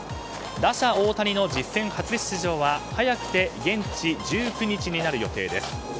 打者・大谷の実戦初出場は早くて現地１９日になる予定です。